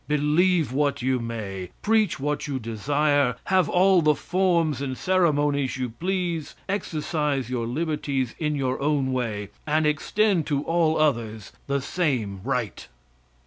Believe what you may; preach what you desire; have all the forms and ceremonies you please; exercise your liberties in your own way, and extend to all others the same right.